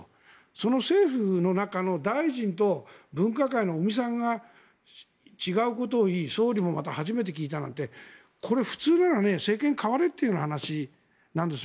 その政府の中の大臣と分科会の尾身さんが違うことを言い総理もまた初めて聞いたなんてこれ、普通なら政権代われという話なんですよ。